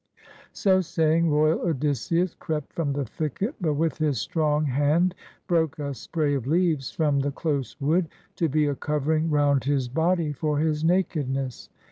So saying, royal Odysseus crept from the thicket, but with his strong hand broke a spray of leaves from the close wood, to be a covering round his body for his naked ness.